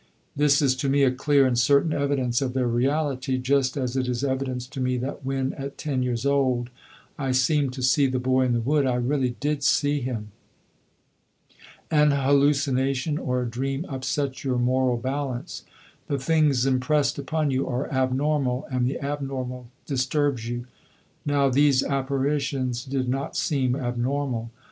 This is to me a clear and certain evidence of their reality just as it is evidence to me that when, at ten years old, I seemed to see the boy in the wood, I really did see him. An hallucination or a dream upsets your moral balance. The things impressed upon you are abnormal; and the abnormal disturbs you. Now these apparitions did not seem abnormal.